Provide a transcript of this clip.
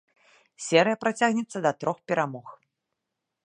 Серыя працягнецца да трох перамог.